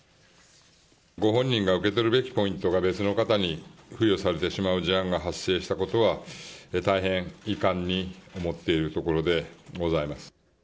ご本人が受け取るべきポイントが、別の方に付与されてしまう事案が発生したことは、大変遺憾に思っているところでございます。